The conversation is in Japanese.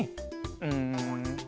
うん。